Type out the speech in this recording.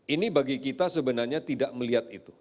ini bagi kita sebenarnya tidak melihat itu